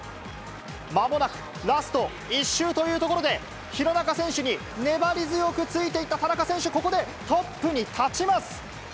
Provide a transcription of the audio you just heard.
まもなくラスト１周というところで、廣中選手に粘り強くついていった田中選手、ここでトップに立ちます。